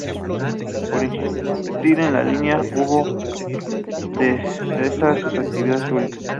Por insistir en esta línea hubo de cesar sus actividades públicas.